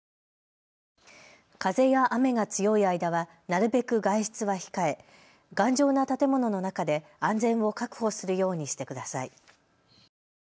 風や雨が強い間はなるべく外出は控え頑丈な建物の中で安全を確保するようにしてください。